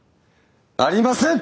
ありません！